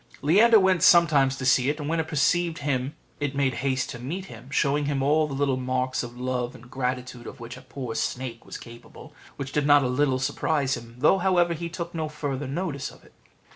Leander went sometimes to see it, and when it perceived him it made haste to meet him, showing him all the little marks of love and gratitude of which a poor snake was capable, which did not a little surprise him, though, however, he took no further notice of it.